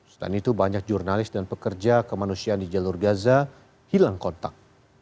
selain itu banyak jurnalis dan pekerja kemanusiaan di jalur gaza hilang kontak